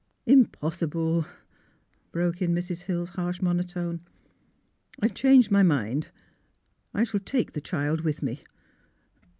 "Impossible!" broke in Mrs. Hill's harsh monotone. " I — have changed my mind. I shall take the child with me."